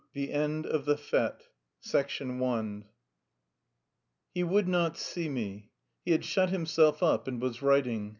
THE END OF THE FETE I HE WOULD NOT SEE ME. He had shut himself up and was writing.